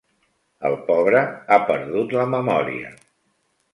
El pobre ha perdut la memòria!